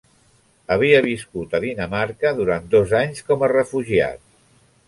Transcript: Havia viscut a Dinamarca durant dos anys com a refugiat.